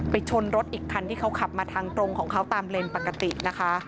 ชนรถอีกคันที่เขาขับมาทางตรงของเขาตามเลนปกตินะคะ